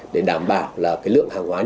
để đảm bảo là cái lượng hàng hóa này